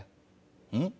うん？